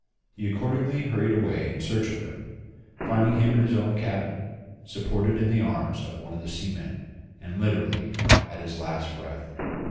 He accordingly hurried away in search of him, finding him in his own cabin, supported in the arms of one of the seamen, and literally at his last breath.